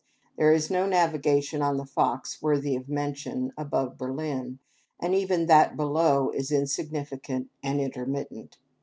There is no navigation on the Fox worthy of mention, above Berlin, and even that below is insignificant and intermittent.